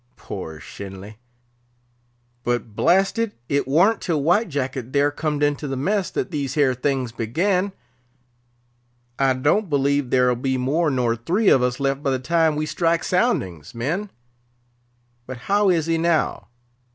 Poor Shenly! But, blast it, it warn't till White Jacket there comed into the mess that these here things began. I don't believe there'll be more nor three of us left by the time we strike soundings, men. But how is he now?